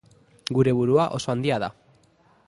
Gure burua oso handia da.